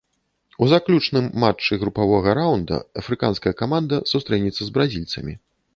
У заключным матчы групавога раўнда афрыканская каманда сустрэнецца з бразільцамі.